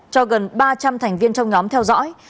cho gần ba trăm linh thành viên trong nhóm theo dõi